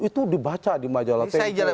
itu dibaca di majalakan rame